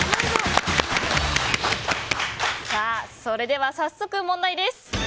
それでは早速、問題です。